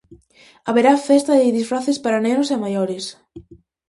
Haberá festa de disfraces para nenos e maiores.